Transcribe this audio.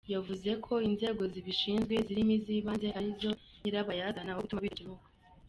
Yavuze ko inzego zibishinzwe zirimo iz’ibanze ari zo nyirabayazana wo gutuma bidakemuka.